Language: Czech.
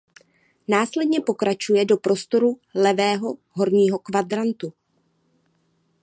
Následně pokračuje do prostoru levého horního kvadrantu.